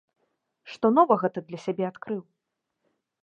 Што новага ты для сябе адкрыў?